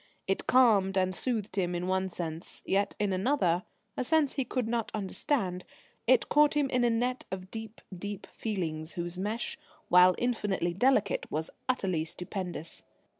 It calmed and soothed him in one sense, yet in another, a sense he could not understand, it caught him in a net of deep, deep feelings whose mesh, while infinitely delicate, was utterly stupendous.